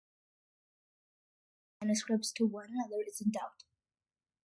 The relationship of the manuscripts to one another is in doubt.